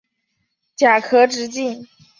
甲壳直径。